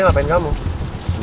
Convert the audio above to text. nino juga kontraktornya kan